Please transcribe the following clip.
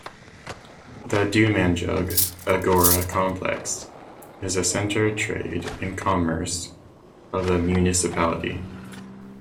The Dumanjug Agora Complex is the center of trade and commerce of the municipality.